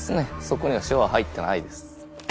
そこには塩は入ってないです。